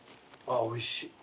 あぁおいしい。